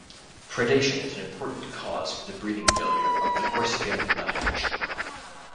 Predation is an important cause for the breeding failure of the Corsican nuthatch.